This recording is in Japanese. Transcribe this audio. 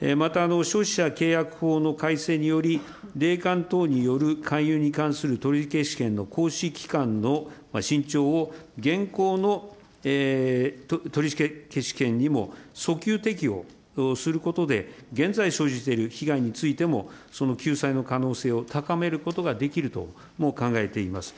また、消費者契約法の改正により、霊感等による勧誘に関する取消権の行使期間のしんちょうを現行の取消権にも遡及適用することで、現在生じている被害についても、その救済の可能性を高めることができるとも考えています。